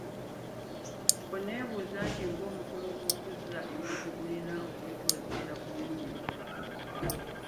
Oneebuuza nti ng’omukolo gw’okuzza embuzi gulina okwetoziira kungi!